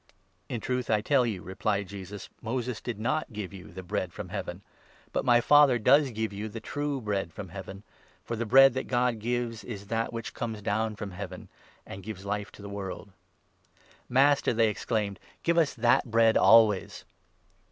" "In truth I tell you," replied Jesus, "Moses did not give 32 you the Bread from Heaven, but my Father does give you the true Bread from Heaven ; for the Bread that God gives is that 33 which comes down from Heaven, and gives Life to the world." " Master," they exclaimed, " give us that Bread always